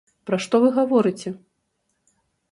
Пра што вы гаворыце?